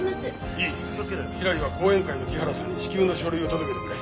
いいひらりは後援会の木原さんに至急の書類を届けてくれ。